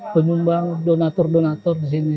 penyumbang donator donator di sini